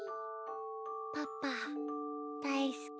パパだいすき。